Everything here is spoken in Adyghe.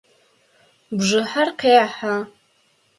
Бжыхьэр къехьэ.